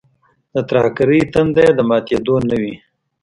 د ترهګرۍ تنده یې د ماتېدو نه وي.